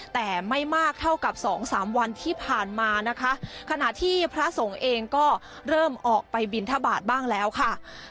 แต่ไม่มากเท่ากับสองสามวันที่ผ่านมานะคะขณะที่พระสงฆ์เองก็เริ่มออกไปบินทบาทบ้างแล้วค่ะ